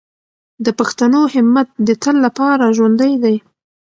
د پښتنو همت د تل لپاره ژوندی دی.